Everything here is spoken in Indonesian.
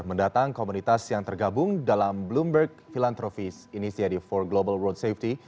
mendatang komunitas yang tergabung dalam bloomberg filantrofice initiative for global road safety